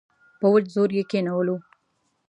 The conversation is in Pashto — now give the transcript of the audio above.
په وچ زور یې کښېنولو.